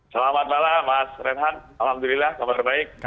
selamat malam mas renhan alhamdulillah kabar baik